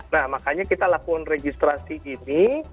nah makanya kita lakukan registrasi ini